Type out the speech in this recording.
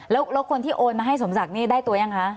แล้วคนที่โอนมาสมศักดิ์ได้ตัวยางคะ